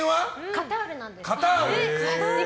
カタールなんです。